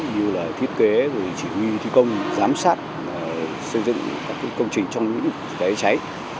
như là thiết kế chỉ huy thi công giám sát xây dựng các công trình trong lĩnh vực phòng cháy cháy